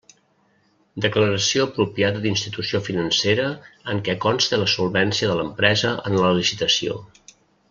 Declaració apropiada d'institució financera en què conste la solvència de l'empresa en la licitació.